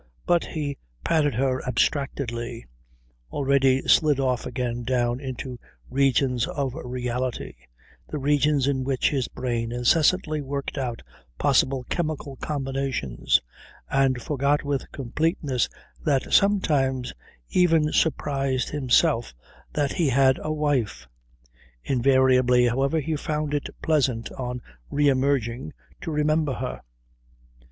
But he patted her abstractedly, already slid off again down into regions of reality, the regions in which his brain incessantly worked out possible chemical combinations and forgot with a completeness that sometimes even surprised himself that he had a wife. Invariably, however, he found it pleasant on re emerging to remember her.